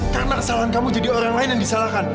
karena kesalahan kamu jadi orang lain yang disalahkan